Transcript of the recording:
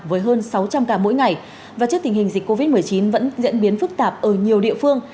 với hơn sáu trăm linh ca mỗi ngày và trước tình hình dịch covid một mươi chín vẫn diễn biến phức tạp ở nhiều địa phương